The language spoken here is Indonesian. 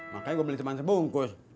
makanya gue beli cuma sebungkus